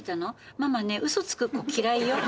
ママね嘘つく子嫌いよ。